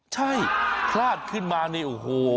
ใช่คลาดขึ้นมานี่โอ้โห